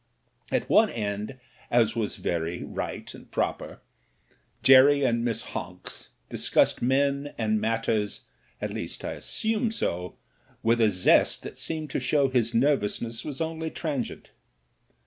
At one end, as was very right and proper, Jerry and Miss Honks discussed men and matters — at least, I assume so— with a zest that seemed to show his nervousness was only transient.